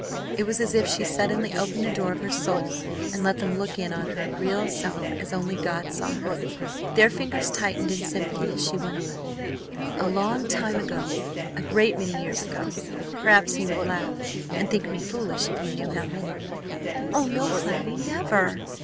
It was as if she suddenly opened the door of her soul and let them look in on her real self as only God saw her. Their fingers tightened in sympathy as she went on. "A long time ago a great many years ago perhaps you would laugh and think me foolish if you knew how many " "Oh, no, Cloudy, never!"